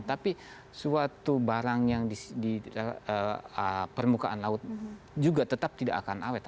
tapi suatu barang yang di permukaan laut juga tetap tidak akan awet